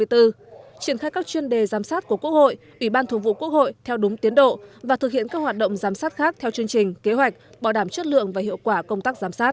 triển khai các chuyên đề giám sát của quốc hội ủy ban thường vụ quốc hội theo đúng tiến độ và thực hiện các hoạt động giám sát khác theo chương trình kế hoạch bảo đảm chất lượng và hiệu quả công tác giám sát